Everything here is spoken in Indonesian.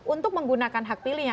untuk menggunakan hak pilihnya